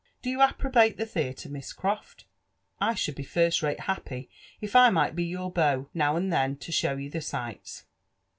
Do you approbate the theatre, Miss Crofl? I should be Qrsl rate happy if I might be your beau, now and ihen, to show you the sights."